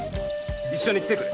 一緒に来てくれ。